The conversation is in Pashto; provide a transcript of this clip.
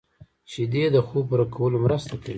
شیدې د خوب پوره کولو مرسته کوي